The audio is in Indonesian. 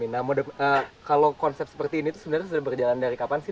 nah kalau konsep seperti ini itu sebenarnya sudah berjalan dari kapan sih